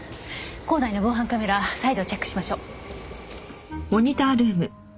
構内の防犯カメラ再度チェックしましょう。